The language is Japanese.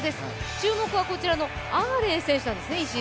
注目はこちらのアーレイ選手なんですね。